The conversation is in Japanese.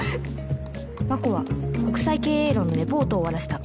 真心は国際経営論のレポートを終わらせた